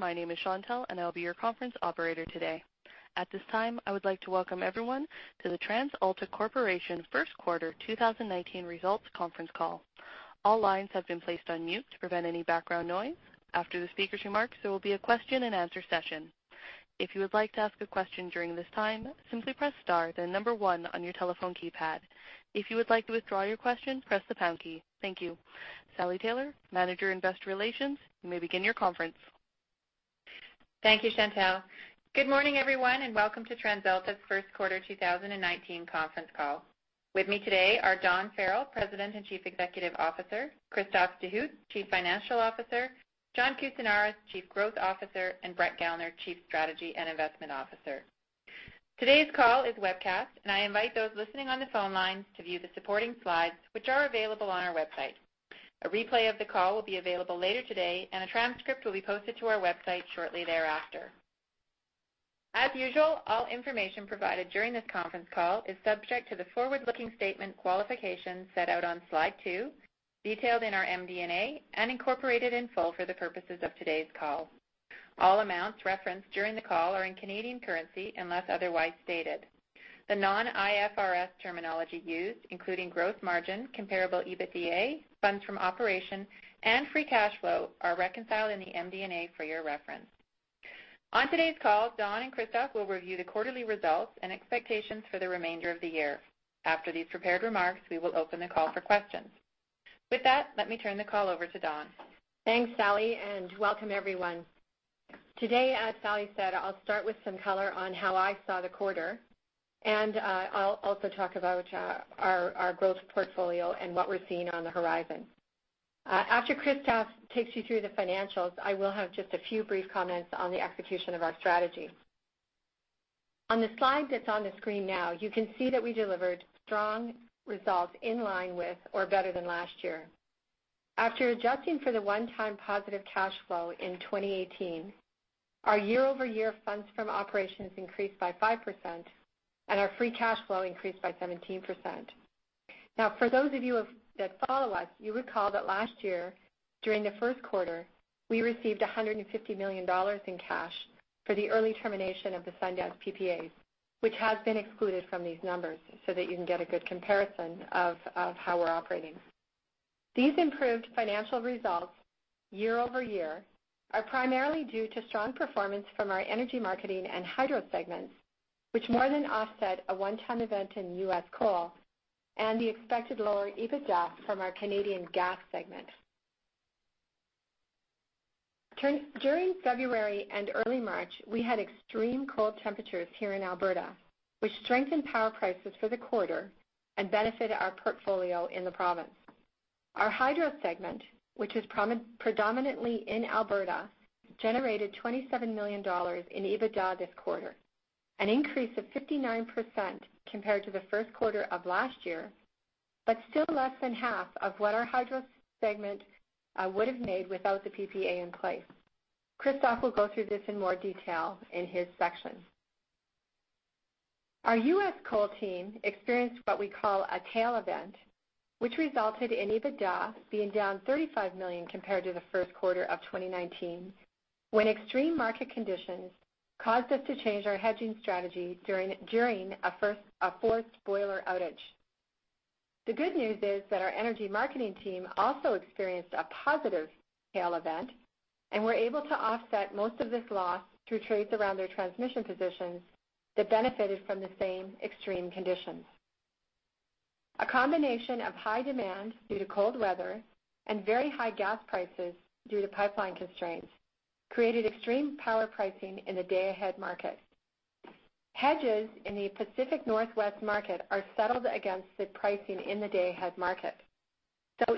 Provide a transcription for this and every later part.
My name is Chantelle, and I'll be your conference operator today. At this time, I would like to welcome everyone to the TransAlta Corporation first quarter 2019 results conference call. All lines have been placed on mute to prevent any background noise. After the speakers' remarks, there will be a question and answer session. If you would like to ask a question during this time, simply press star, then number one on your telephone keypad. If you would like to withdraw your question, press the pound key. Thank you. Sally Taylor, Manager, Investor Relations, you may begin your conference. Thank you, Chantelle. Good morning, everyone, and welcome to TransAlta's first quarter 2019 conference call. With me today are Dawn Farrell, President and Chief Executive Officer, Christophe Dehout, Chief Financial Officer, John Kousinioris, Chief Growth Officer, and Brett Gellner, Chief Strategy and Investment Officer. Today's call is webcast, and I invite those listening on the phone lines to view the supporting slides, which are available on our website. A replay of the call will be available later today, and a transcript will be posted to our website shortly thereafter. As usual, all information provided during this conference call is subject to the forward-looking statement qualifications set out on slide two, detailed in our MD&A, and incorporated in full for the purposes of today's call. All amounts referenced during the call are in Canadian currency, unless otherwise stated. The non-IFRS terminology used, including gross margin, comparable EBITDA, funds from operation, and free cash flow, are reconciled in the MD&A for your reference. On today's call, Dawn and Christophe will review the quarterly results and expectations for the remainder of the year. After these prepared remarks, we will open the call for questions. With that, let me turn the call over to Dawn. Thanks, Sally, and welcome everyone. Today, as Sally said, I'll start with some color on how I saw the quarter, and I'll also talk about our growth portfolio and what we're seeing on the horizon. After Christophe takes you through the financials, I will have just a few brief comments on the execution of our strategy. On the slide that's on the screen now, you can see that we delivered strong results in line with or better than last year. After adjusting for the one-time positive cash flow in 2018, our year-over-year funds from operation increased by 5%, and our free cash flow increased by 17%. For those of you that follow us, you recall that last year during the first quarter, we received 150 million dollars in cash for the early termination of the Sundance PPAs, which has been excluded from these numbers so that you can get a good comparison of how we're operating. These improved financial results year-over-year are primarily due to strong performance from our Energy Marketing and hydro segments, which more than offset a one-time event in U.S. coal and the expected lower EBITDA from our Canadian gas segment. During February and early March, we had extreme cold temperatures here in Alberta, which strengthened power prices for the quarter and benefited our portfolio in the province. Our hydro segment, which is predominantly in Alberta, generated 27 million dollars in EBITDA this quarter, an increase of 59% compared to the first quarter of last year, but still less than half of what our hydro segment would have made without the PPA in place. Christophe will go through this in more detail in his section. Our U.S. coal team experienced what we call a tail event, which resulted in EBITDA being down 35 million compared to the first quarter of 2019, when extreme market conditions caused us to change our hedging strategy during a forced boiler outage. The good news is that our Energy Marketing team also experienced a positive tail event and were able to offset most of this loss through trades around their transmission positions that benefited from the same extreme conditions. A combination of high demand due to cold weather and very high gas prices due to pipeline constraints created extreme power pricing in the day-ahead market. Hedges in the Pacific Northwest market are settled against the pricing in the day-ahead market.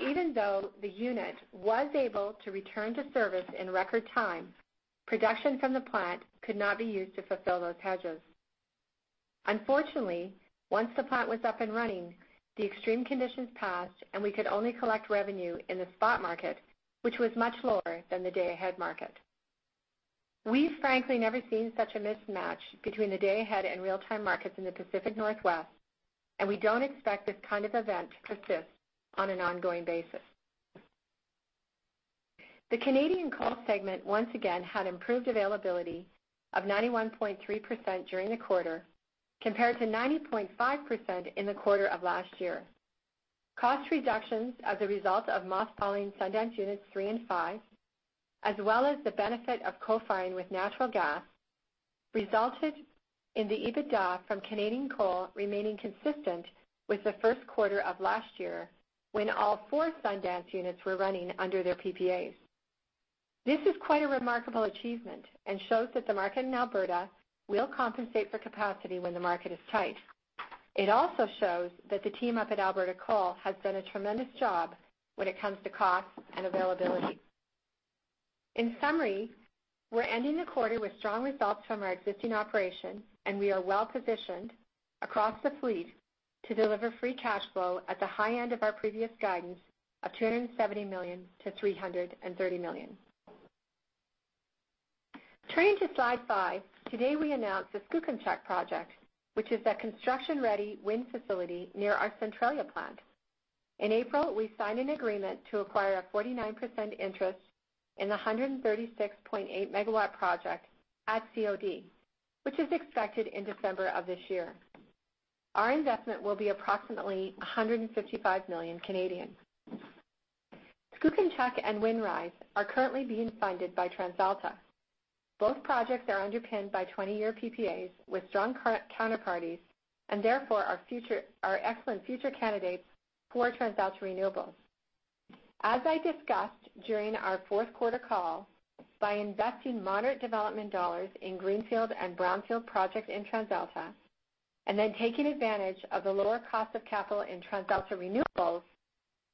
Even though the unit was able to return to service in record time, production from the plant could not be used to fulfill those hedges. Unfortunately, once the plant was up and running, the extreme conditions passed, and we could only collect revenue in the spot market, which was much lower than the day-ahead market. We've frankly never seen such a mismatch between the day-ahead and real-time markets in the Pacific Northwest, and we don't expect this kind of event to persist on an ongoing basis. The Canadian coal segment once again had improved availability of 91.3% during the quarter compared to 90.5% in the quarter of last year. Cost reductions as a result of mothballing Sundance units 3 and 5, as well as the benefit of co-firing with natural gas, resulted in the EBITDA from Canadian Coal remaining consistent with the first quarter of last year when all 4 Sundance units were running under their PPAs. This is quite a remarkable achievement and shows that the market in Alberta will compensate for capacity when the market is tight. It also shows that the team up at Alberta Coal has done a tremendous job when it comes to costs and availability. In summary, we're ending the quarter with strong results from our existing operations, and we are well-positioned across the fleet to deliver free cash flow at the high end of our previous guidance of 270 million-330 million. Turning to slide five. Today, we announce the Skookumchuck project, which is a construction-ready wind facility near our Centralia plant. In April, we signed an agreement to acquire a 49% interest in the 136.8-megawatt project at COD, which is expected in December of this year. Our investment will be approximately 155 million. Skookumchuck and Windrise are currently being funded by TransAlta. Both projects are underpinned by 20-year PPAs with strong counterparties. Therefore, are excellent future candidates for TransAlta Renewables. As I discussed during our fourth quarter call, by investing moderate development dollars in greenfield and brownfield projects in TransAlta, then taking advantage of the lower cost of capital in TransAlta Renewables,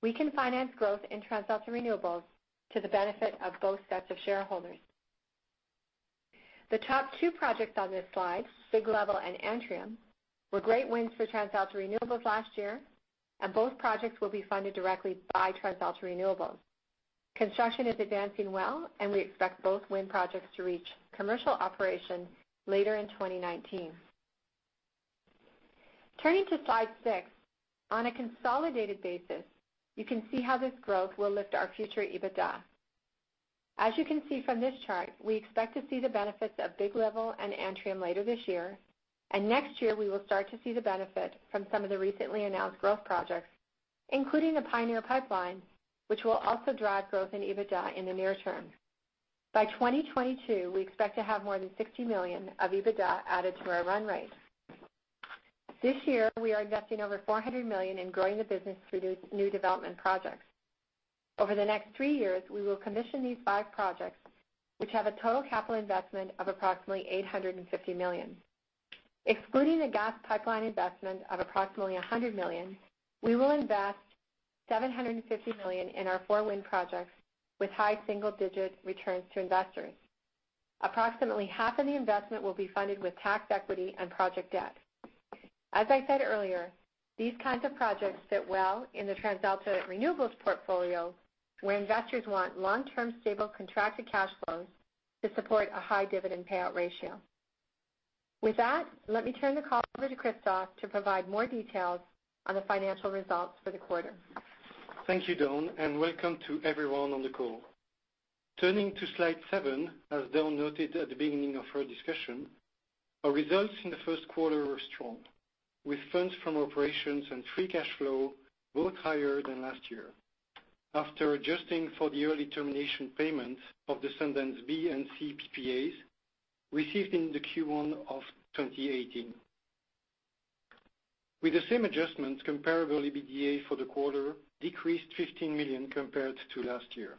we can finance growth in TransAlta Renewables to the benefit of both sets of shareholders. The top two projects on this slide, Big Level and Antrim, were great wins for TransAlta Renewables last year. Both projects will be funded directly by TransAlta Renewables. Construction is advancing well. We expect both wind projects to reach commercial operations later in 2019. Turning to slide six. On a consolidated basis, you can see how this growth will lift our future EBITDA. As you can see from this chart, we expect to see the benefits of Big Level and Antrim later this year. Next year, we will start to see the benefit from some of the recently announced growth projects, including the Pioneer Pipeline, which will also drive growth in EBITDA in the near term. By 2022, we expect to have more than 60 million of EBITDA added to our run rate. This year, we are investing over 400 million in growing the business through new development projects. Over the next three years, we will commission these five projects, which have a total capital investment of approximately 850 million. Excluding the gas pipeline investment of approximately 100 million, we will invest 750 million in our four wind projects with high single-digit returns to investors. Approximately half of the investment will be funded with tax equity and project debt. As I said earlier, these kinds of projects fit well in the TransAlta Renewables portfolio, where investors want long-term, stable contracted cash flows to support a high dividend payout ratio. With that, let me turn the call over to Christophe to provide more details on the financial results for the quarter. Thank you, Dawn, and welcome to everyone on the call. Turning to slide seven, as Dawn noted at the beginning of her discussion, our results in the first quarter were strong, with funds from operations and free cash flow both higher than last year. After adjusting for the early termination payment of the Sundance B and C PPAs received in Q1 2018. With the same adjustments, comparable EBITDA for the quarter decreased 15 million compared to last year.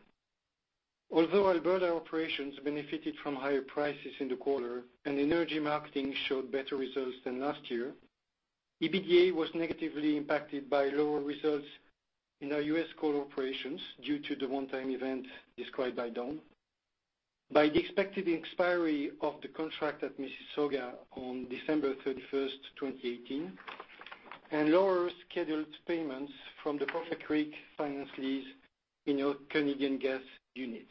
Although Alberta operations benefited from higher prices in the quarter and Energy Marketing showed better results than last year, EBITDA was negatively impacted by lower results in our U.S. coal operations due to the one-time event described by Dawn, by the expected expiry of the contract at Mississauga on December 31, 2018, and lower scheduled payments from the Poplar Creek finance lease in our Canadian Gas segment.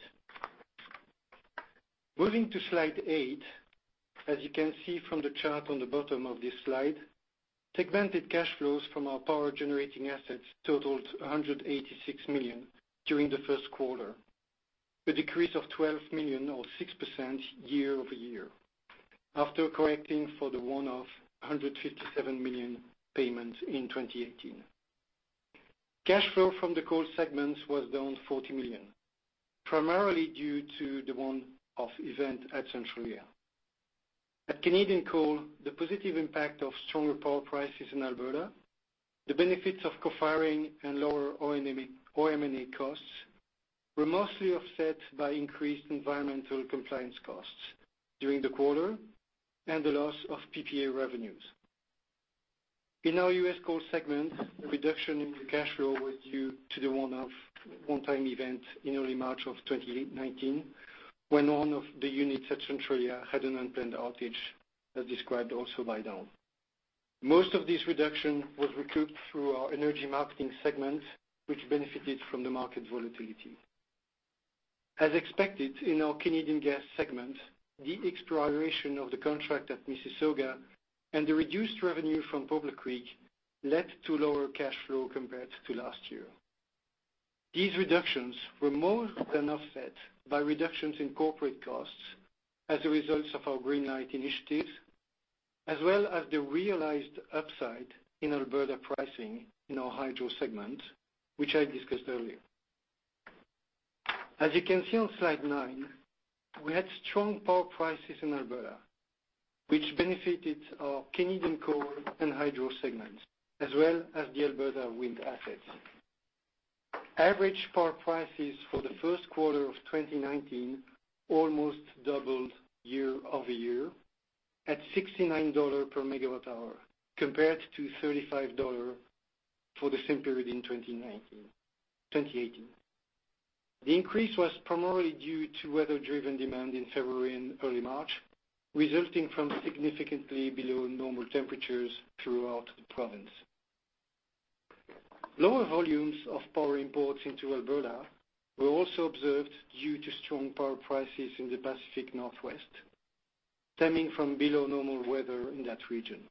Moving to slide eight. As you can see from the chart on the bottom of this slide, segmented cash flows from our power generating assets totaled 186 million during the first quarter, a decrease of 12 million or 6% year-over-year, after correcting for the one-off 157 million payments in 2018. Cash flow from the coal segments was down 40 million, primarily due to the one-off event at Centralia. At Canadian Coal, the positive impact of stronger power prices in Alberta, the benefits of co-firing and lower OM&A costs were mostly offset by increased environmental compliance costs during the quarter and the loss of PPA revenues. In our U.S. coal segment, the reduction in the cash flow was due to the one-time event in early March 2019, when one of the units at Centralia had an unplanned outage, as described also by Dawn. Most of this reduction was recouped through our Energy Marketing segment, which benefited from the market volatility. As expected in our Canadian Gas segment, the expiration of the contract at Mississauga and the reduced revenue from Poplar Creek led to lower cash flow compared to last year. These reductions were more than offset by reductions in corporate costs as a result of our Greenlight initiatives, as well as the realized upside in Alberta pricing in our hydro segment, which I discussed earlier. As you can see on slide nine, we had strong power prices in Alberta, which benefited our Canadian Coal and hydro segments, as well as the Alberta wind assets. Average power prices for the first quarter 2019 almost doubled year-over-year at 69 dollars per megawatt hour, compared to 35 dollars for the same period in 2018. The increase was primarily due to weather-driven demand in February and early March, resulting from significantly below normal temperatures throughout the province. Lower volumes of power imports into Alberta were also observed due to strong power prices in the Pacific Northwest. Stemming from below normal weather in that region.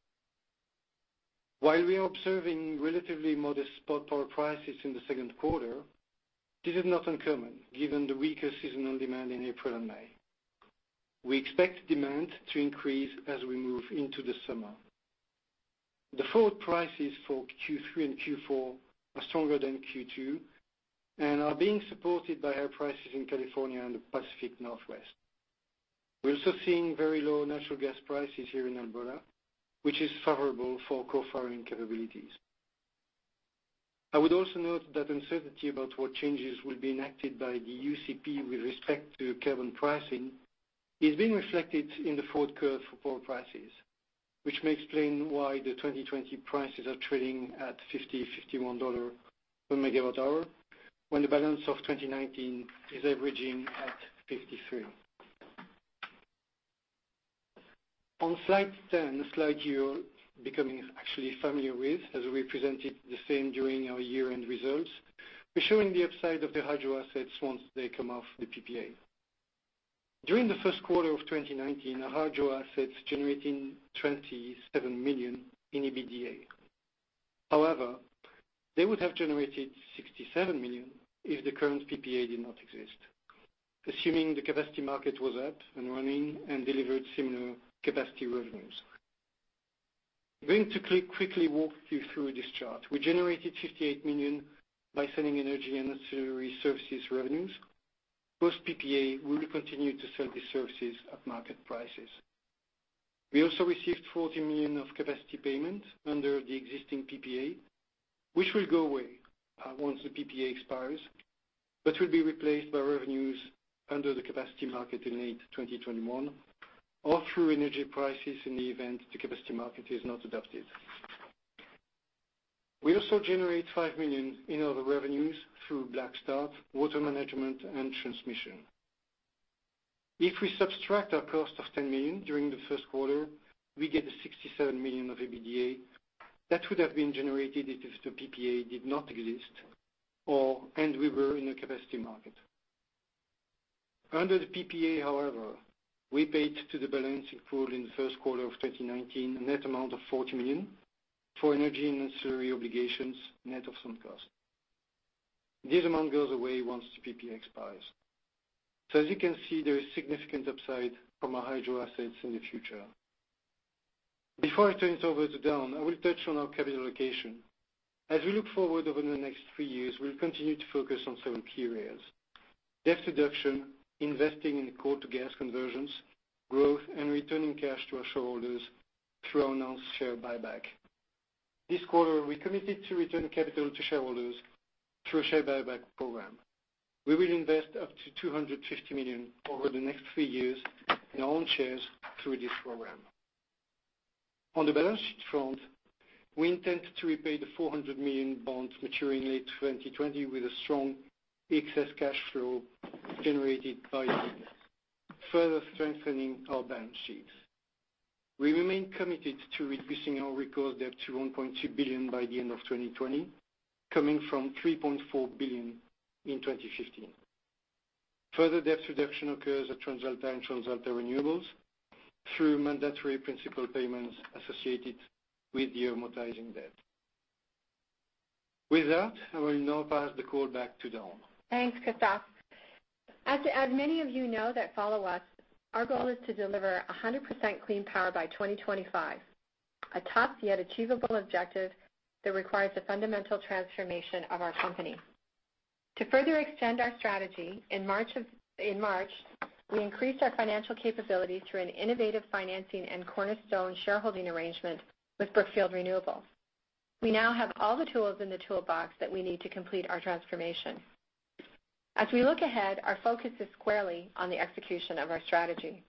While we are observing relatively modest spot power prices in the second quarter, this is not uncommon given the weaker seasonal demand in April and May. We expect demand to increase as we move into the summer. The forward prices for Q3 and Q4 are stronger than Q2 and are being supported by higher prices in California and the Pacific Northwest. We are also seeing very low natural gas prices here in Alberta, which is favorable for co-firing capabilities. I would also note that uncertainty about what changes will be enacted by the UCP with respect to carbon pricing is being reflected in the forward curve for power prices, which may explain why the 2020 prices are trading at 50 dollar, 51 dollar per megawatt hour, when the balance of 2019 is averaging at 53. On slide 10, a slide you are becoming actually familiar with, as we presented the same during our year-end results. We are showing the upside of the hydro assets once they come off the PPA. During the first quarter of 2019, our hydro assets generating 27 million in EBITDA. However, they would have generated 67 million if the current PPA did not exist, assuming the capacity market was up and running and delivered similar capacity revenues. I am going to quickly walk you through this chart. We generated 58 million by selling energy and ancillary services revenues. Post PPA, we will continue to sell these services at market prices. We also received 40 million of capacity payment under the existing PPA, which will go away, once the PPA expires, but will be replaced by revenues under the capacity market in late 2021, or through energy prices in the event the capacity market is not adopted. We also generate 5 million in other revenues through black start, water management, and transmission. If we subtract our cost of 10 million during the first quarter, we get the 67 million of EBITDA that would have been generated if the PPA did not exist, or/and we were in a capacity market. Under the PPA, however, we paid to the Balancing Pool in the first quarter of 2019 a net amount of 40 million for energy and ancillary obligations net of some cost. This amount goes away once the PPA expires. As you can see, there is significant upside from our hydro assets in the future. Before I turn it over to Dawn, I will touch on our capital allocation. As we look forward over the next three years, we will continue to focus on several key areas: debt reduction, investing in coal to gas conversions, growth, and returning cash to our shareholders through announced share buyback. This quarter, we committed to return capital to shareholders through a share buyback program. We will invest up to 250 million over the next three years in our own shares through this program. On the balance sheet front, we intend to repay the 400 million bonds maturing in late 2020 with the strong excess cash flow generated by business, further strengthening our balance sheets. We remain committed to reducing our recourse debt to 1.2 billion by the end of 2020, coming from 3.4 billion in 2015. Further debt reduction occurs at TransAlta and TransAlta Renewables through mandatory principal payments associated with the amortizing debt. With that, I will now pass the call back to Dawn. Thanks, Christophe. As many of you know that follow us, our goal is to deliver 100% clean power by 2025, a tough, yet achievable objective that requires the fundamental transformation of our company. To further extend our strategy, in March, we increased our financial capabilities through an innovative financing and cornerstone shareholding arrangement with Brookfield Renewable. We now have all the tools in the toolbox that we need to complete our transformation. As we look ahead, our focus is squarely on the execution of our strategy.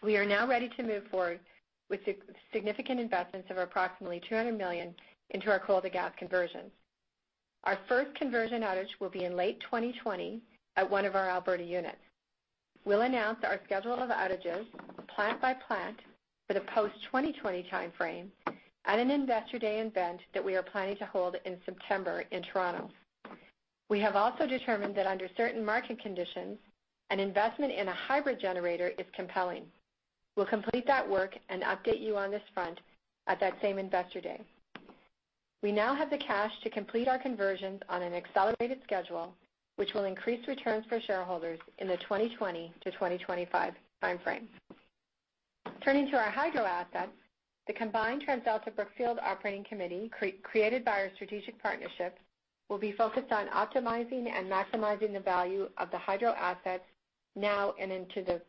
We are now ready to move forward with significant investments of approximately 200 million into our coal to gas conversions. Our first conversion outage will be in late 2020 at one of our Alberta units. We'll announce our schedule of outages, plant by plant, for the post-2020 timeframe at an Investor Day event that we are planning to hold in September in Toronto. We have also determined that under certain market conditions, an investment in a hybrid generator is compelling. We'll complete that work and update you on this front at that same Investor Day. We now have the cash to complete our conversions on an accelerated schedule, which will increase returns for shareholders in the 2020 to 2025 timeframe. Turning to our hydro assets, the combined TransAlta Brookfield Operating Committee, created by our strategic partnership, will be focused on optimizing and maximizing the value of the hydro assets now and into the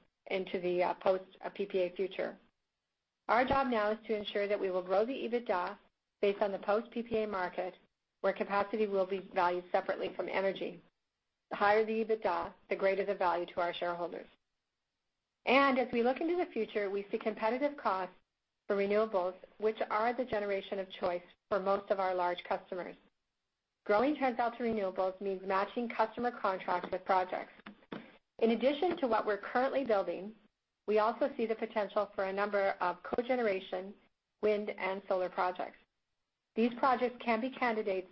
post-PPA future. Our job now is to ensure that we will grow the EBITDA based on the post-PPA market, where capacity will be valued separately from energy. The higher the EBITDA, the greater the value to our shareholders. As we look into the future, we see competitive costs for renewables, which are the generation of choice for most of our large customers. Growing TransAlta Renewables means matching customer contracts with projects. In addition to what we're currently building, we also see the potential for a number of cogeneration, wind, and solar projects. These projects can be candidates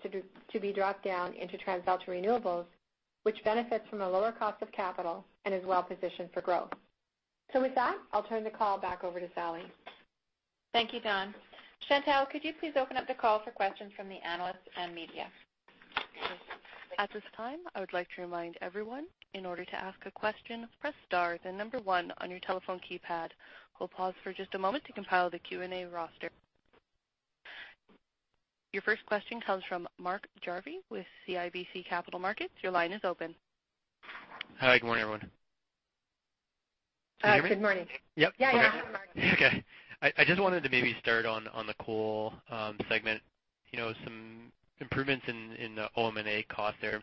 to be dropped down into TransAlta Renewables, which benefits from a lower cost of capital and is well-positioned for growth. With that, I'll turn the call back over to Sally. Thank you, Dawn. Chantelle, could you please open up the call for questions from the analysts and media? At this time, I would like to remind everyone, in order to ask a question, press star, then number 1 on your telephone keypad. We'll pause for just a moment to compile the Q&A roster. Your first question comes from Mark Jarvi with CIBC Capital Markets. Your line is open. Hi, good morning, everyone. Good morning. Can you hear me? Yeah. I just wanted to maybe start on the coal segment. Some improvements in the OM&A cost there,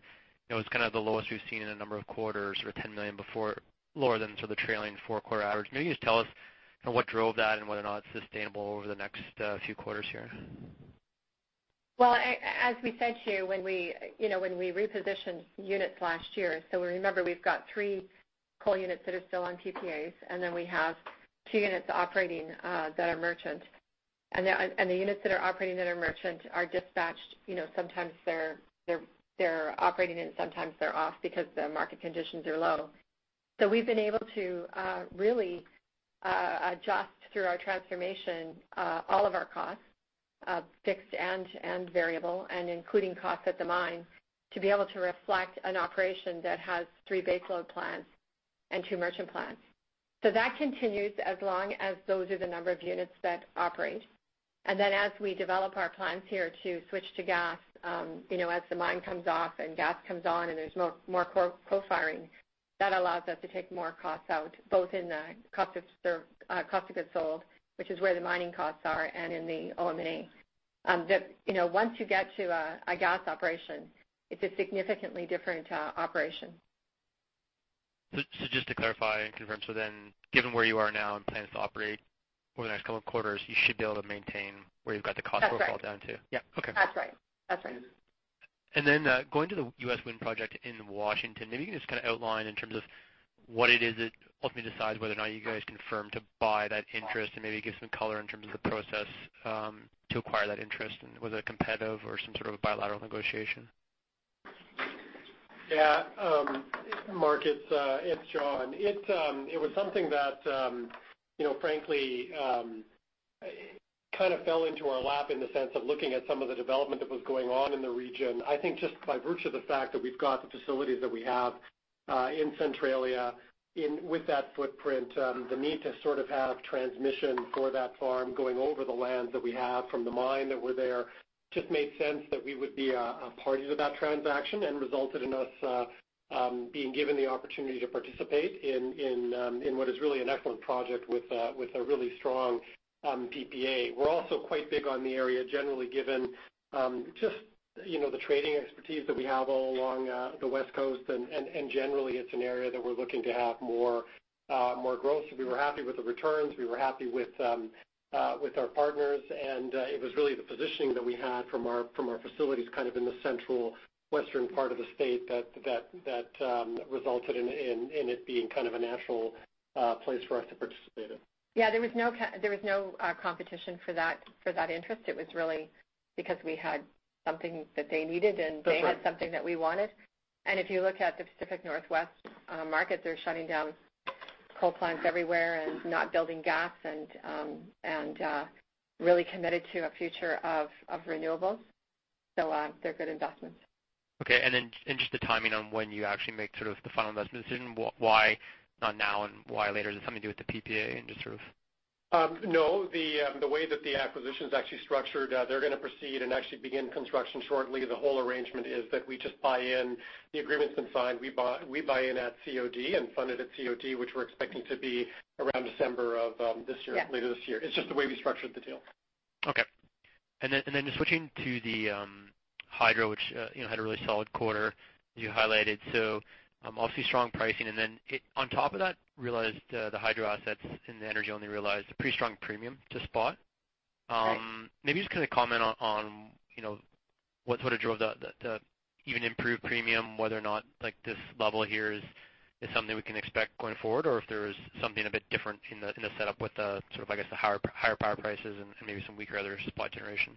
it was kind of the lowest we've seen in a number of quarters, or 10 million before, lower than sort of the trailing four-quarter average. Can you just tell us what drove that and whether or not it's sustainable over the next few quarters here? As we said to you, when we repositioned units last year, remember, we've got three coal units that are still on PPAs, then we have two units operating that are merchant. The units that are operating that are merchant are dispatched. Sometimes they're operating, and sometimes they're off because the market conditions are low. We've been able to really adjust, through our transformation, all of our costs, fixed and variable, and including costs at the mine, to be able to reflect an operation that has three baseload plants and two merchant plants. That continues as long as those are the number of units that operate. As we develop our plans here to switch to gas, as the mine comes off and gas comes on and there's more co-firing, that allows us to take more costs out, both in the cost of goods sold, which is where the mining costs are, and in the OM&A. Once you get to a gas operation, it's a significantly different operation. Just to clarify and confirm, given where you are now and plans to operate over the next couple of quarters, you should be able to maintain where you've got the cost profile down to. That's right. Yeah. Okay. That's right. Going to the U.S. Wind project in Washington, maybe you can just kind of outline in terms of what it is that ultimately decides whether or not you guys confirm to buy that interest, and maybe give some color in terms of the process to acquire that interest, and was it competitive or some sort of a bilateral negotiation? Yeah. Mark, it's John. It was something that frankly kind of fell into our lap in the sense of looking at some of the development that was going on in the region. I think just by virtue of the fact that we've got the facilities that we have in Centralia with that footprint, the need to sort of have transmission for that farm going over the land that we have from the mine that were there, just made sense that we would be a party to that transaction. Resulted in us being given the opportunity to participate in what is really an excellent project with a really strong PPA. We're also quite big on the area generally, given just the trading expertise that we have all along the West Coast, and generally, it's an area that we're looking to have more growth. We were happy with the returns, we were happy with our partners, it was really the positioning that we had from our facilities kind of in the central western part of the state that resulted in it being kind of a natural place for us to participate in. Yeah, there was no competition for that interest. It was really because we had something that they needed, they had something that we wanted. If you look at the Pacific Northwest markets, they're shutting down coal plants everywhere and not building gas, really committed to a future of renewables. They're good investments. Okay. Just the timing on when you actually make sort of the final investment decision, why not now and why later? Does it have anything to do with the PPA? No. The way that the acquisition is actually structured, they're going to proceed and actually begin construction shortly. The whole arrangement is that we just buy in. The agreement's been signed. We buy in at COD and fund it at COD, which we're expecting to be around December of this year- Yeah later this year. It's just the way we structured the deal. Okay. Just switching to the hydro, which had a really solid quarter you highlighted. Obviously strong pricing, and then on top of that, realized the hydro assets and the energy only realized a pretty strong premium to spot. Right. Maybe just kind of comment on what drove the even improved premium, whether or not this level here is something we can expect going forward, or if there is something a bit different in the setup with the, sort of, I guess, the higher power prices and maybe some weaker other supply generation.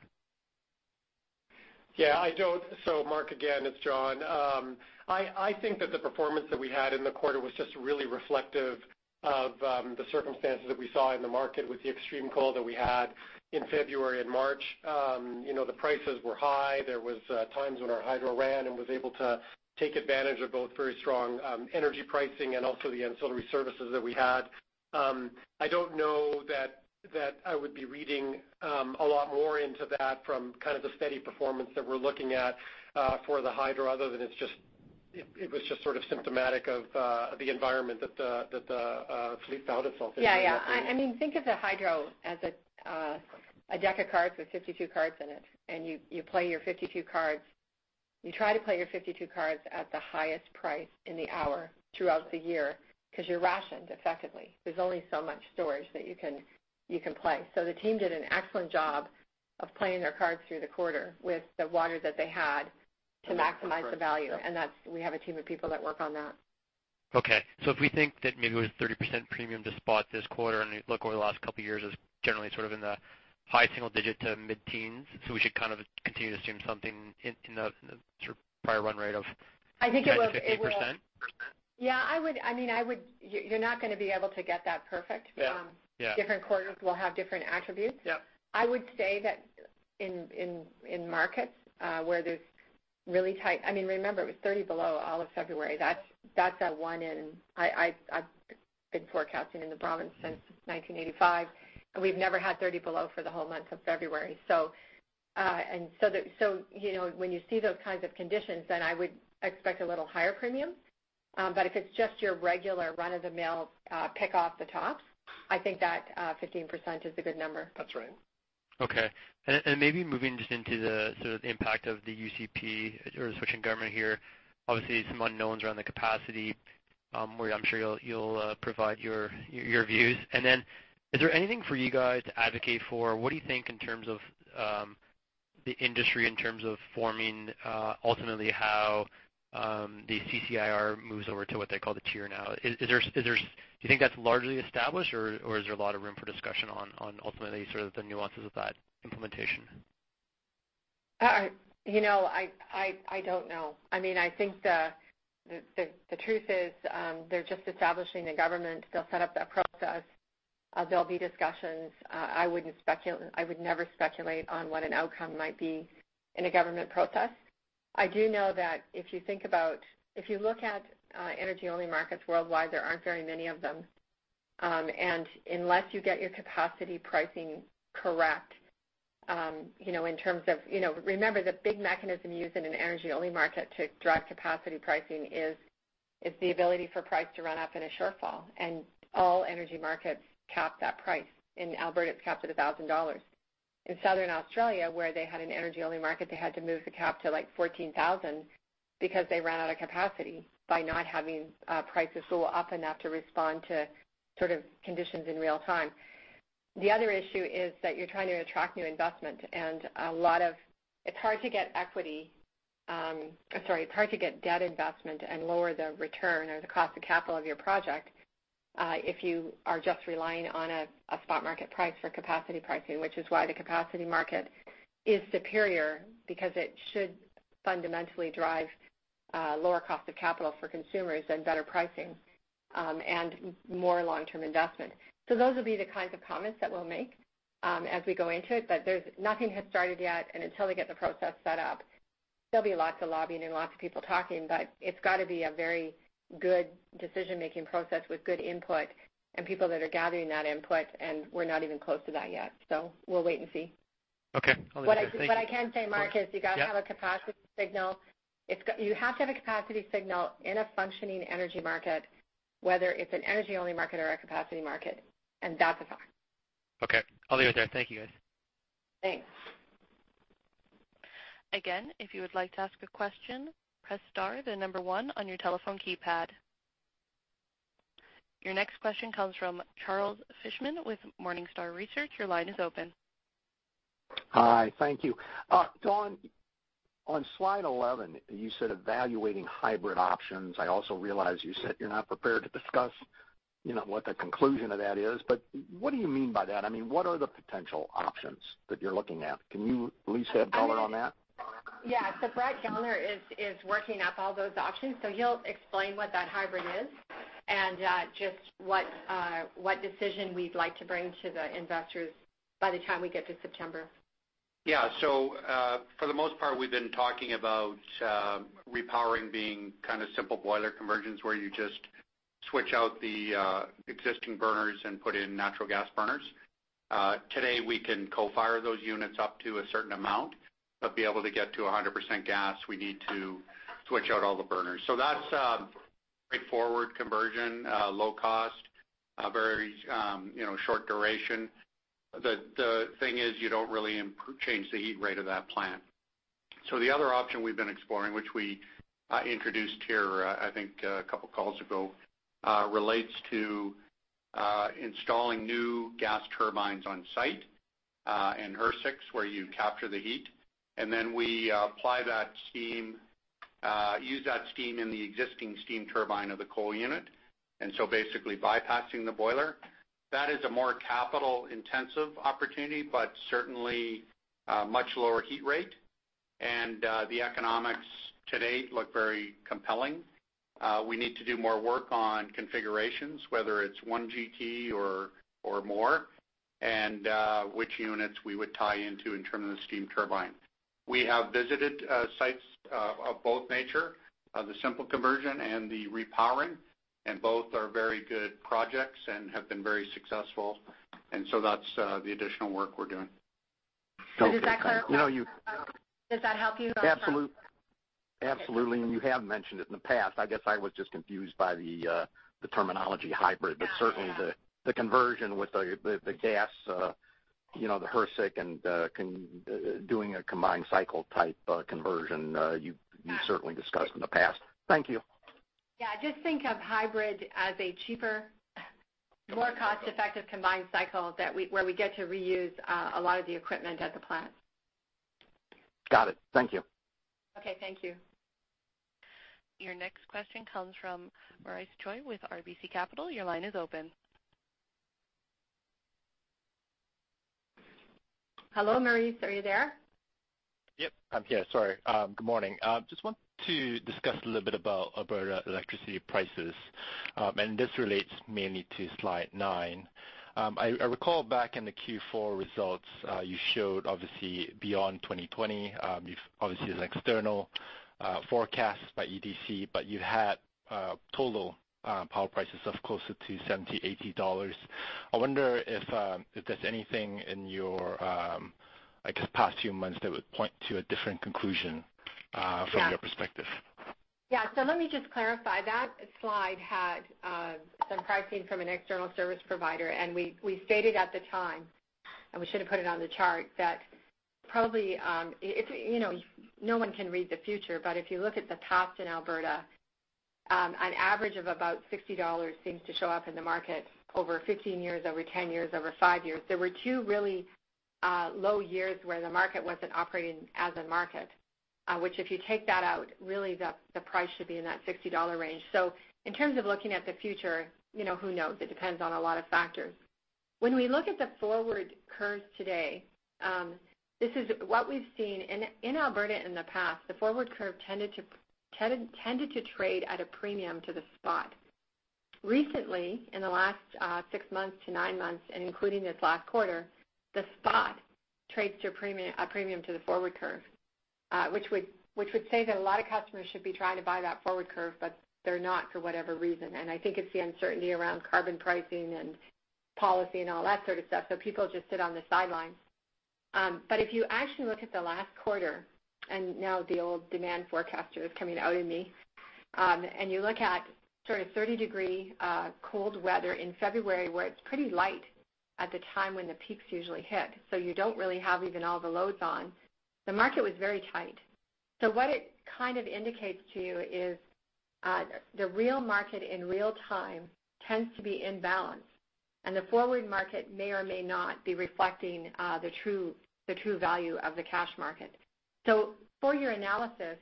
Yeah. Mark, again, it's John. I think that the performance that we had in the quarter was just really reflective of the circumstances that we saw in the market with the extreme cold that we had in February and March. The prices were high. There was times when our hydro ran and was able to take advantage of both very strong energy pricing and also the ancillary services that we had. I don't know that I would be reading a lot more into that from kind of the steady performance that we're looking at for the hydro, other than it was just sort of symptomatic of the environment that the fleet found itself in. Yeah. Think of the hydro as a deck of cards with 52 cards in it, and you try to play your 52 cards at the highest price in the hour throughout the year because you're rationed effectively. There's only so much storage that you can play. The team did an excellent job of playing their cards through the quarter with the water that they had to maximize the value. We have a team of people that work on that. Okay. If we think that maybe it was 30% premium to spot this quarter, and look over the last couple of years is generally sort of in the high single digit to mid-teens, so we should kind of continue to assume something in the sort of prior run rate of maybe 15%? Yeah. You're not going to be able to get that perfect. Yeah. Different quarters will have different attributes. Yep. I would say that in markets, where there's really. Remember, it was 30 below all of February. That's a one in I've been forecasting in the province since 1985, and we've never had 30 below for the whole month of February. When you see those kinds of conditions, I would expect a little higher premium. If it's just your regular run-of-the-mill pick off the tops, I think that 15% is a good number. That's right. Okay. Maybe moving just into the sort of impact of the UCP or the switching government here, obviously some unknowns around the capacity, where I'm sure you'll provide your views. Is there anything for you guys to advocate for? What do you think in terms of the industry, in terms of forming ultimately how the CCIR moves over to what they call the tier now? Do you think that's largely established, or is there a lot of room for discussion on ultimately sort of the nuances of that implementation? I don't know. I think the truth is, they're just establishing a government. They'll set up that process. There'll be discussions. I would never speculate on what an outcome might be in a government process. I do know that if you look at energy-only markets worldwide, there aren't very many of them. Unless you get your capacity pricing correct, in terms of Remember, the big mechanism used in an energy-only market to drive capacity pricing is the ability for price to run up in a shortfall, and all energy markets cap that price. In Alberta, it's capped at 1,000 dollars. In South Australia, where they had an energy-only market, they had to move the cap to like 14,000 because they ran out of capacity by not having prices go up enough to respond to sort of conditions in real time. The other issue is that you're trying to attract new investment, and it's hard to get debt investment and lower the return or the cost of capital of your project, if you are just relying on a spot market price for capacity pricing, which is why the capacity market is superior, because it should fundamentally drive lower cost of capital for consumers and better pricing, and more long-term investment. Those will be the kinds of comments that we'll make as we go into it. Nothing has started yet, and until they get the process set up, there'll be lots of lobbying and lots of people talking, but it's got to be a very good decision-making process with good input and people that are gathering that input, and we're not even close to that yet. We'll wait and see. Okay. I'll leave it there. Thank you. What I can say, Mark, is you got to have a capacity signal. You have to have a capacity signal in a functioning energy market, whether it's an energy-only market or a capacity market, and that's a fact. Okay. I'll leave it there. Thank you, guys. Thanks. If you would like to ask a question, press star 1 on your telephone keypad. Your next question comes from Charles Fishman with Morningstar Research. Your line is open. Hi. Thank you. Dawn, on slide 11, you said evaluating hybrid options. I also realize you said you're not prepared to discuss what the conclusion of that is. What do you mean by that? What are the potential options that you're looking at? Can you please shed color on that? Yeah. Brett Gellner is working up all those options, so he'll explain what that hybrid is, and just what decision we'd like to bring to the investors by the time we get to September. Yeah. For the most part, we've been talking about repowering being kind of simple boiler conversions where you just switch out the existing burners and put in natural gas burners. Today, we can co-fire those units up to a certain amount. To be able to get to 100% gas, we need to switch out all the burners. That's straightforward conversion, low cost, very short duration. The thing is, you don't really change the heat rate of that plant. The other option we've been exploring, which we introduced here I think a couple of calls ago, relates to installing new gas turbines on site and HRSGs, where you capture the heat, and then we use that steam in the existing steam turbine of the coal unit. Basically bypassing the boiler. That is a more capital-intensive opportunity, but certainly a much lower heat rate. The economics to date look very compelling. We need to do more work on configurations, whether it's one GT or more, and which units we would tie into in terms of the steam turbine. We have visited sites of both nature, the simple conversion and the repowering, and both are very good projects and have been very successful. That's the additional work we're doing. Okay. Does that help you, Charles? Absolutely. You have mentioned it in the past. I guess I was just confused by the terminology hybrid. Oh, yeah. Certainly the conversion with the gas, the HRSG, and doing a combined cycle type conversion, you certainly discussed in the past. Thank you. Yeah, just think of hybrid as a cheaper, more cost-effective combined cycle, where we get to reuse a lot of the equipment at the plant. Got it. Thank you. Okay, thank you. Your next question comes from Maurice Choy with RBC Capital. Your line is open. Hello, Maurice. Are you there? Yep, I'm here. Sorry. Good morning. Just wanted to discuss a little bit about Alberta electricity prices, and this relates mainly to slide nine. I recall back in the Q4 results, you showed obviously beyond 2020, obviously as an external forecast by EDC, but you had total power prices of closer to 70, 80 dollars. I wonder if there's anything in your, I guess, past few months that would point to a different conclusion. Yeah from your perspective. Yeah. Let me just clarify. That slide had some pricing from an external service provider, and we stated at the time, and we should have put it on the chart, that probably no one can read the future, but if you look at the tops in Alberta, an average of about 60 dollars seems to show up in the market over 15 years, over 10 years, over 5 years. There were two really low years where the market wasn't operating as a market, which if you take that out, really the price should be in that 60 dollar range. In terms of looking at the future, who knows? It depends on a lot of factors. When we look at the forward curves today, this is what we've seen. In Alberta in the past, the forward curve tended to trade at a premium to the spot. Recently, in the last six months to nine months and including this last quarter, the spot trades a premium to the forward curve, which would say that a lot of customers should be trying to buy that forward curve, but they're not for whatever reason. I think it's the uncertainty around carbon pricing and policy and all that sort of stuff, people just sit on the sidelines. If you actually look at the last quarter, now the old demand forecaster is coming out in me, you look at 30 degree cold weather in February where it's pretty light at the time when the peaks usually hit, you don't really have even all the loads on. The market was very tight. What it kind of indicates to you is the real market in real-time tends to be in balance, and the forward market may or may not be reflecting the true value of the cash market. For your analysis,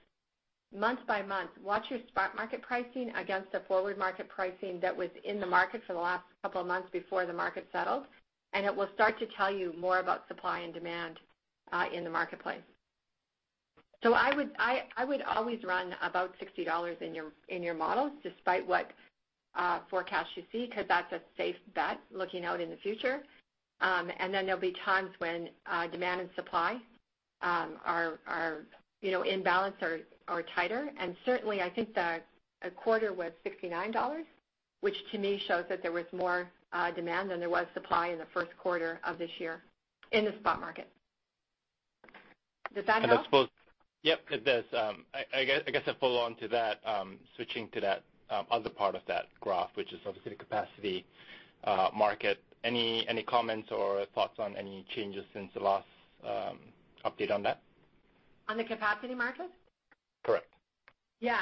month by month, watch your spot market pricing against the forward market pricing that was in the market for the last couple of months before the market settled, it will start to tell you more about supply and demand, in the marketplace. I would always run about 60 dollars in your models, despite what forecast you see, because that's a safe bet looking out in the future. Then there'll be times when demand and supply are in balance or are tighter. Certainly, I think the quarter was 69 dollars, which to me shows that there was more demand than there was supply in the first quarter of this year in the spot market. Does that help? I suppose Yep, it does. I guess a follow-on to that, switching to that other part of that graph, which is obviously the capacity market. Any comments or thoughts on any changes since the last update on that? On the capacity markets? Correct. Yeah.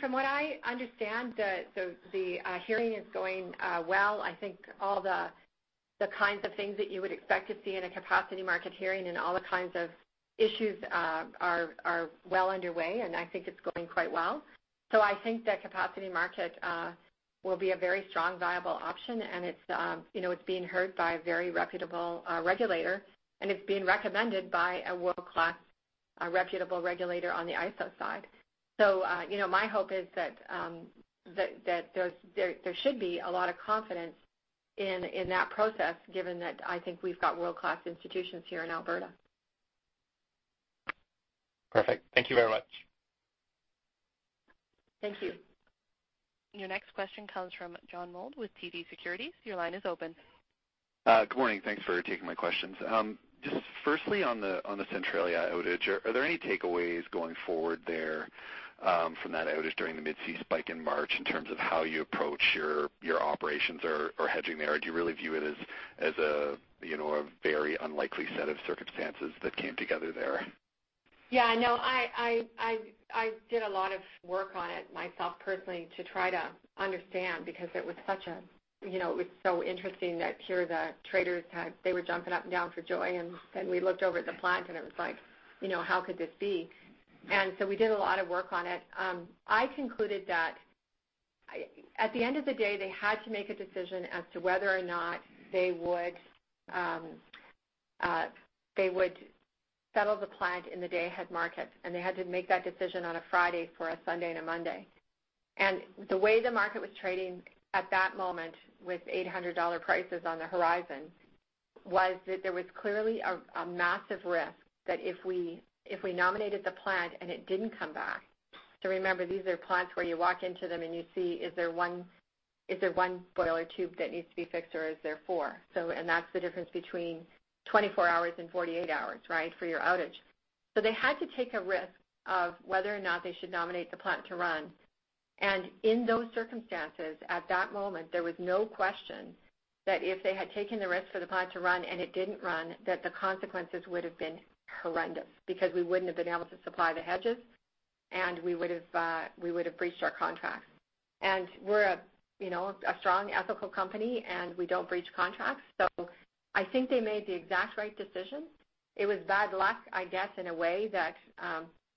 From what I understand, the hearing is going well. I think all the kinds of things that you would expect to see in a capacity market hearing and all the kinds of issues are well underway, and I think it's going quite well. I think the capacity market will be a very strong, viable option, and it's being heard by a very reputable regulator, and it's being recommended by a world-class, reputable regulator on the ISO side. My hope is that there should be a lot of confidence in that process, given that I think we've got world-class institutions here in Alberta. Perfect. Thank you very much. Thank you. Your next question comes from John Mould with TD Securities. Your line is open. Good morning. Thanks for taking my questions. Just firstly on the Centralia outage, are there any takeaways going forward there from that outage during the mid-season spike in March in terms of how you approach your operations or hedging there? Or do you really view it as a very unlikely set of circumstances that came together there? Yeah, no. I did a lot of work on it myself personally to try to understand, because it was so interesting that here the traders. They were jumping up and down for joy, then we looked over at the plant, and it was like, how could this be? We did a lot of work on it. I concluded that at the end of the day, they had to make a decision as to whether or not they would settle the plant in the day-ahead market. They had to make that decision on a Friday for a Sunday and a Monday. The way the market was trading at that moment with 800 dollar prices on the horizon was that there was clearly a massive risk that if we nominated the plant and it didn't come back, so remember, these are plants where you walk into them and you see is there one boiler tube that needs to be fixed or is there four? That's the difference between 24 hours and 48 hours for your outage. They had to take a risk of whether or not they should nominate the plant to run. In those circumstances, at that moment, there was no question that if they had taken the risk for the plant to run and it didn't run, that the consequences would have been horrendous because we wouldn't have been able to supply the hedges. We would have breached our contract. We're a strong ethical company. We don't breach contracts. I think they made the exact right decision. It was bad luck, I guess, in a way that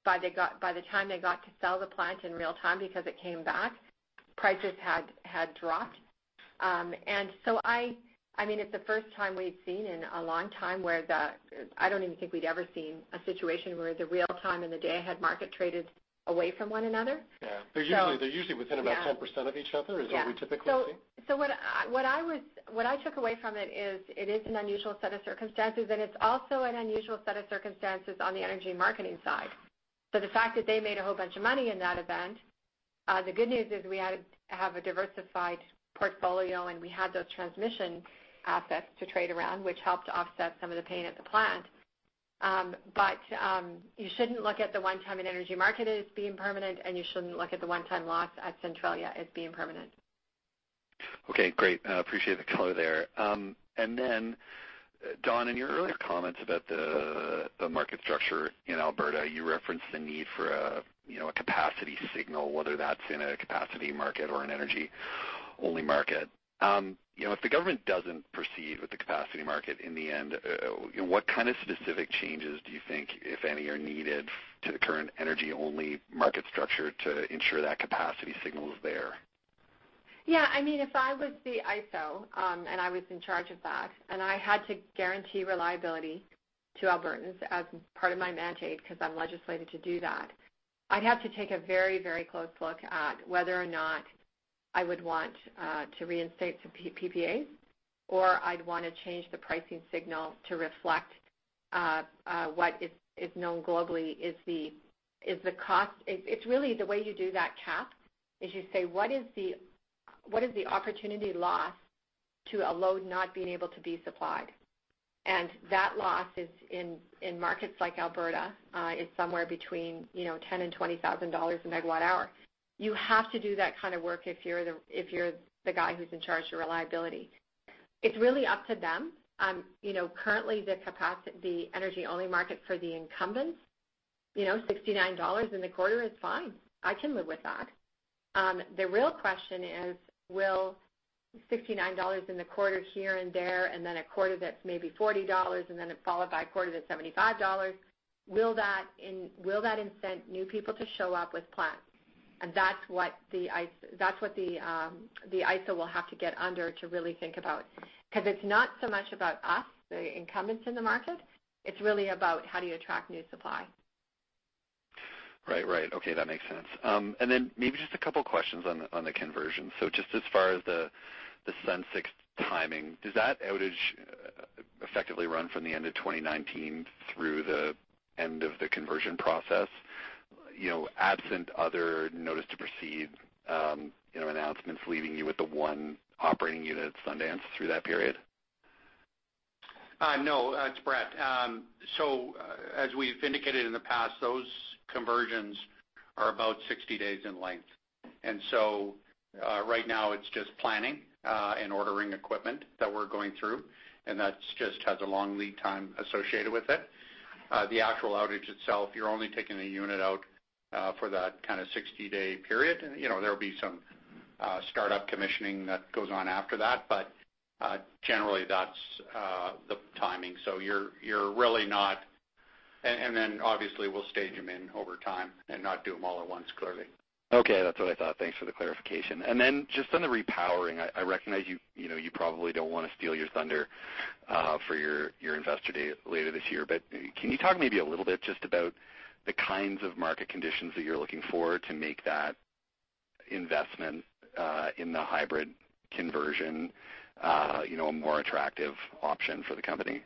by the time they got to sell the plant in real-time, because it came back, prices had dropped. It's the first time we've seen in a long time where. I don't even think we'd ever seen a situation where the real-time and the day-ahead market traded away from one another. Yeah. They're usually within about 10% of each other, is what we typically see. What I took away from it is, it is an unusual set of circumstances, and it's also an unusual set of circumstances on the Energy Marketing side. The fact that they made a whole bunch of money in that event, the good news is we have a diversified portfolio, and we had those transmission assets to trade around, which helped offset some of the pain at the plant. You shouldn't look at the one-time in Energy Marketing as being permanent, and you shouldn't look at the one-time loss at Centralia as being permanent. Okay, great. Appreciate the color there. Dawn, in your earlier comments about the market structure in Alberta, you referenced the need for a capacity signal, whether that's in a capacity market or an energy-only market. If the government doesn't proceed with the capacity market in the end, what kind of specific changes do you think, if any, are needed to the current energy-only market structure to ensure that capacity signal is there? Yeah. If I was the ISO, and I was in charge of that, and I had to guarantee reliability to Albertans as part of my mandate, because I'm legislated to do that, I'd have to take a very close look at whether or not I would want to reinstate some PPAs, or I'd want to change the pricing signal to reflect what is known globally is the cost. It's really the way you do that cap, is you say, what is the opportunity loss to a load not being able to be supplied? That loss is in markets like Alberta, is somewhere between 10,000 and 20,000 dollars a megawatt hour. You have to do that kind of work if you're the guy who's in charge of reliability. It's really up to them. Currently, the energy-only market for the incumbents, 69 dollars in the quarter is fine. I can live with that. The real question is, will 69 dollars in the quarter here and there, and then a quarter that's maybe 40 dollars, and then followed by a quarter that's 75 dollars, will that incent new people to show up with plants? That's what the ISO will have to get under to really think about, because it's not so much about us, the incumbents in the market. It's really about how do you attract new supply. Right. Okay. That makes sense. Maybe just a couple questions on the conversion. Just as far as the Sundance 6 timing, does that outage effectively run from the end of 2019 through the end of the conversion process? Absent other notice to proceed announcements, leaving you with the one operating unit at Sundance through that period? No. It's Brett. As we've indicated in the past, those conversions are about 60 days in length. Right now, it's just planning, and ordering equipment that we're going through, and that just has a long lead time associated with it. The actual outage itself, you're only taking a unit out for that kind of 60-day period. There'll be some startup commissioning that goes on after that. Generally, that's the timing. Obviously, we'll stage them in over time and not do them all at once, clearly. Okay. That's what I thought. Thanks for the clarification. Just on the repowering, I recognize you probably don't want to steal your thunder for your investor day later this year, but can you talk maybe a little bit just about the kinds of market conditions that you're looking for to make that investment in the hybrid conversion a more attractive option for the company?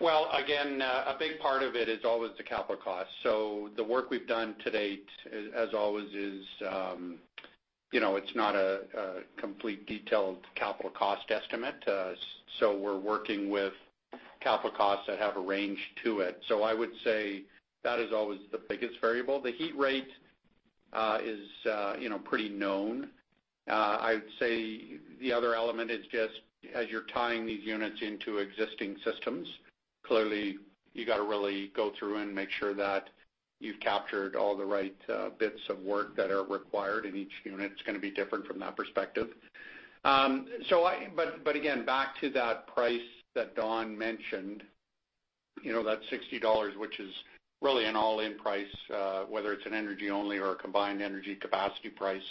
Well, again, a big part of it is always the capital cost. The work we've done to date, as always, it's not a complete detailed capital cost estimate. We're working with capital costs that have a range to it. I would say that is always the biggest variable. The heat rate is pretty known. I would say the other element is just as you're tying these units into existing systems, clearly you got to really go through and make sure that you've captured all the right bits of work that are required, and each unit's going to be different from that perspective. Again, back to that price that Dawn mentioned, that 60 dollars, which is really an all-in price, whether it's an energy-only or a combined energy capacity price,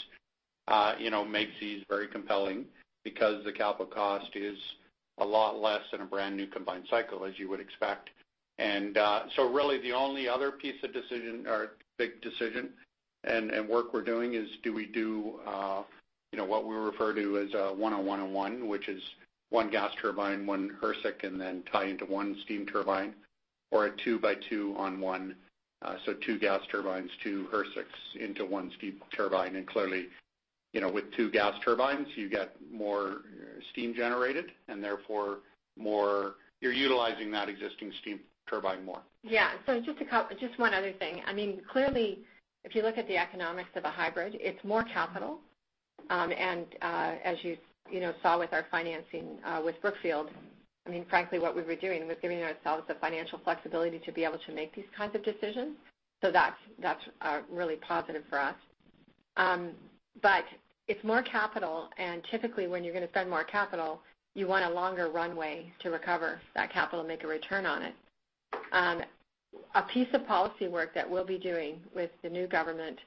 makes these very compelling because the capital cost is a lot less than a brand-new combined cycle, as you would expect. Really the only other piece of big decision and work we're doing is do we do what we refer to as a 1-on-1, which is one gas turbine, one HRSG, and then tie into one steam turbine, or a two by two on one. So two gas turbines, two HRSGs into one steam turbine. Clearly, with two gas turbines, you get more steam generated, and therefore you're utilizing that existing steam turbine more. Yeah. Just one other thing. Clearly, if you look at the economics of a hybrid, it's more capital. As you saw with our financing with Brookfield, frankly, what we were doing was giving ourselves the financial flexibility to be able to make these kinds of decisions. That's really positive for us. It's more capital, and typically when you're going to spend more capital, you want a longer runway to recover that capital and make a return on it. A piece of policy work that we'll be doing with the new government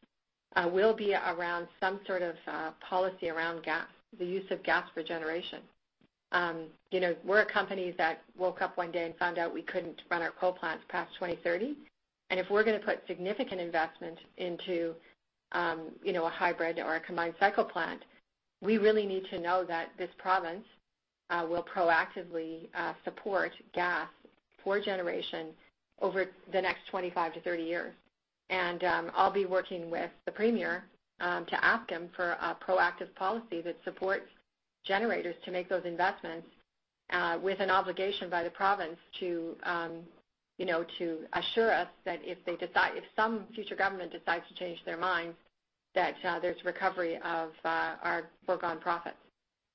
will be around some sort of policy around the use of gas for generation. We're a company that woke up one day and found out we couldn't run our coal plants past 2030. If we're going to put significant investment into a hybrid or a combined cycle plant, we really need to know that this province will proactively support gas for generation over the next 25-30 years. I'll be working with the premier to ask him for a proactive policy that supports generators to make those investments with an obligation by the province to assure us that if some future government decides to change their minds, that there's recovery of our forgone profits.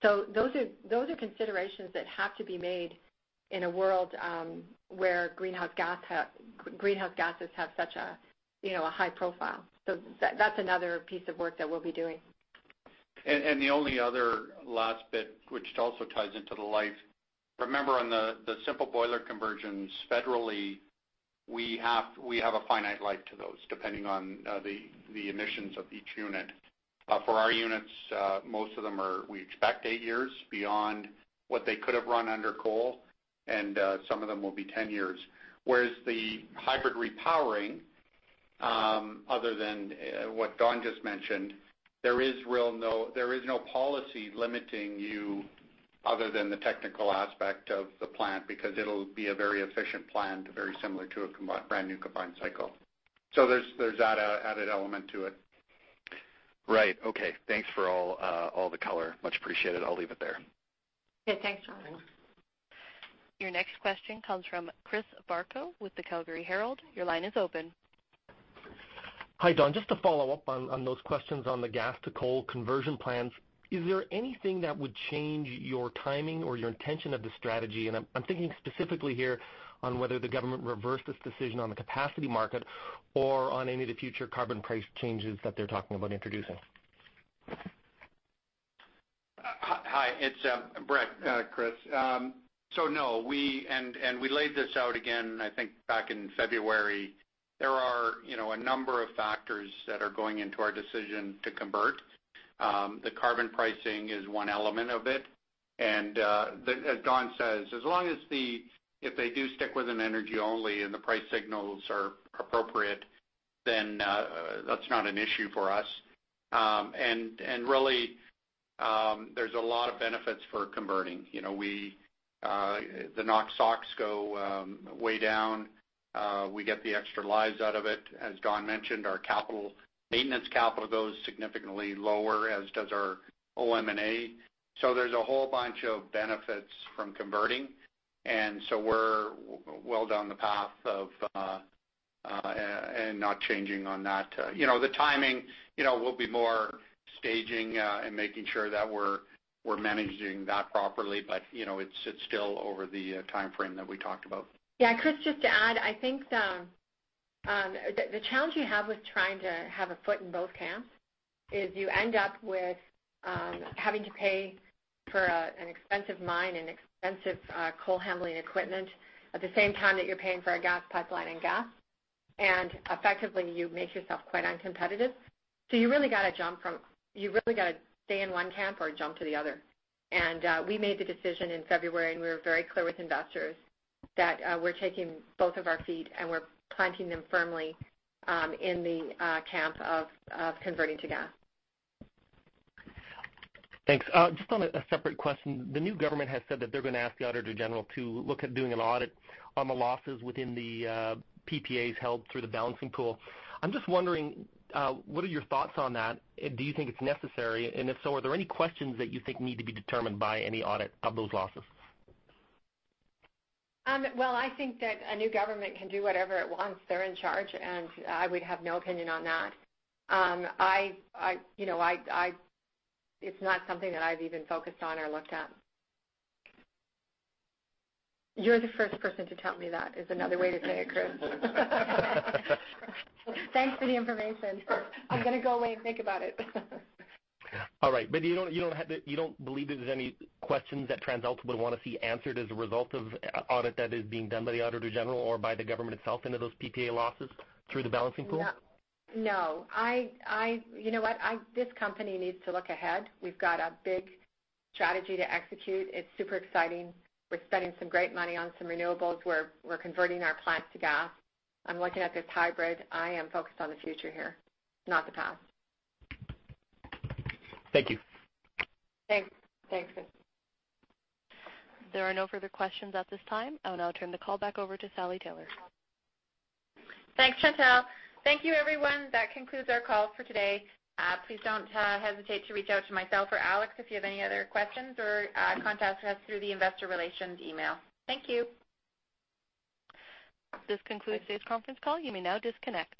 Those are considerations that have to be made in a world where greenhouse gases have such a high profile. That's another piece of work that we'll be doing. The only other last bit, which also ties into the life. Remember on the simple boiler conversions, federally, we have a finite life to those depending on the emissions of each unit. For our units, most of them we expect 10 years beyond what they could have run under coal, and some of them will be 10 years. Whereas the hybrid repowering, other than what Dawn just mentioned, there is no policy limiting you other than the technical aspect of the plant, because it'll be a very efficient plant, very similar to a brand-new combined cycle. There's that added element to it. Right. Okay. Thanks for all the color. Much appreciated. I'll leave it there. Yeah. Thanks, John. Thanks. Your next question comes from Chris Varcoe with the Calgary Herald. Your line is open. Hi, Dawn. Just to follow up on those questions on the gas to coal conversion plans, is there anything that would change your timing or your intention of the strategy? I'm thinking specifically here on whether the government reversed its decision on the capacity market or on any of the future carbon price changes that they're talking about introducing. Hi, it's Brett, Chris. No, we laid this out again, I think back in February. There are a number of factors that are going into our decision to convert. The carbon pricing is one element of it. As Dawn says, as long as if they do stick with an energy only and the price signals are appropriate, then that's not an issue for us. Really, there's a lot of benefits for converting. The NOx, SOx go way down. We get the extra lives out of it. As Dawn mentioned, our maintenance capital goes significantly lower, as does our OM&A. There's a whole bunch of benefits from converting. We're well down the path of and not changing on that. The timing, we'll be more staging and making sure that we're managing that properly. It's still over the timeframe that we talked about. Yeah, Chris, just to add, I think the challenge you have with trying to have a foot in both camps is you end up with having to pay for an expensive mine and expensive coal-handling equipment at the same time that you're paying for a gas pipeline and gas. Effectively, you make yourself quite uncompetitive. You really got to stay in one camp or jump to the other. We made the decision in February, and we were very clear with investors that we're taking both of our feet and we're planting them firmly in the camp of converting to gas. Thanks. Just on a separate question, the new government has said that they're going to ask the Auditor General to look at doing an audit on the losses within the PPAs held through the Balancing Pool. I'm just wondering, what are your thoughts on that? Do you think it's necessary? If so, are there any questions that you think need to be determined by any audit of those losses? Well, I think that a new government can do whatever it wants. They're in charge, and I would have no opinion on that. It's not something that I've even focused on or looked at. You're the first person to tell me that, is another way to say it, Chris. Thanks for the information. I'm going to go away and think about it. All right. You don't believe there's any questions that TransAlta would want to see answered as a result of an audit that is being done by the Auditor General or by the government itself into those PPA losses through the Balancing Pool? No. You know what? This company needs to look ahead. We've got a big strategy to execute. It's super exciting. We're spending some great money on some renewables. We're converting our plants to gas. I'm looking at this hybrid. I am focused on the future here, not the past. Thank you. Thanks. Thanks, Chris. There are no further questions at this time. I will now turn the call back over to Sally Taylor. Thanks, Chantelle. Thank you, everyone. That concludes our call for today. Please don't hesitate to reach out to myself or Alex if you have any other questions or contact us through the investor relations email. Thank you. This concludes today's conference call. You may now disconnect.